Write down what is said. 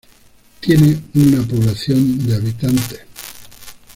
Tiene una población de hab.